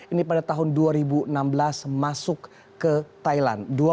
ini pada tahun dua ribu enam belas masuk ke thailand